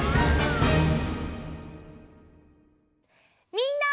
みんな！